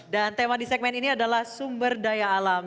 dan tema di segmen ini adalah sumber daya